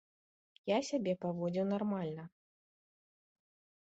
Я сябе паводзіў нармальна.